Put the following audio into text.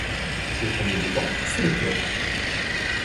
Le premier des temples, c’est le cœur.